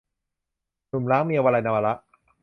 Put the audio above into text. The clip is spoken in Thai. หนุ่มร้างเมีย - วลัย นวาระ